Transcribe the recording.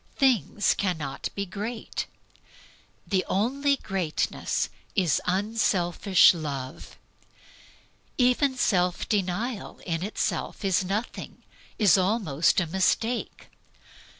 Things cannot be great. The only greatness is unselfish love. Even self denial in itself is nothing, is almost a mistake.